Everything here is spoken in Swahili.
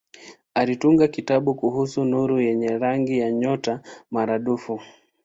Alitunga kitabu kuhusu nuru yenye rangi ya nyota maradufu.